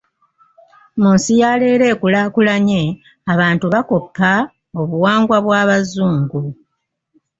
Mu nsi ya leero ekulaakulanye, abantu bakoppa obuwangwa bw'abazungu.